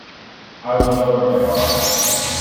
I will know where they are.